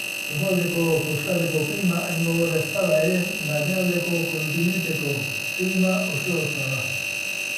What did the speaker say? Hegoaldeko kostaldeko klima hain gogorra ez bada ere, barnealdeko kontinenteko klima oso hotza da.